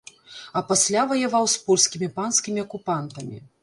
А пасля ваяваў з польскімі панскімі акупантамі.